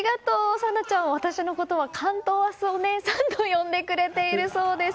さなちゃん、私のことはカントーアスお姉さんと呼んでくれているそうです。